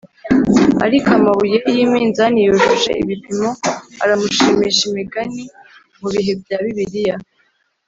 ariko amabuye y iminzani yujuje ibipimo aramushimisha Imigani Mu bihe bya Bibiliya